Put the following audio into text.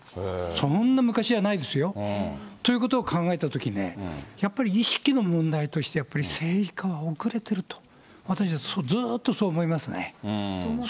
そんな昔じゃないですよ。ということを考えたときにね、やっぱり意識の問題として、やっぱり政治家は遅れていると、私はずっとそう思いますね。